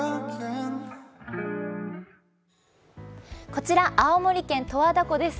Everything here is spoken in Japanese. こちら青森県十和田湖です。